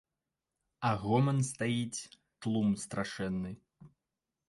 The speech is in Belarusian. А гоман стаіць, тлум страшэнны.